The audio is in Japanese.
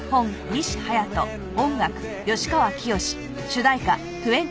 主題歌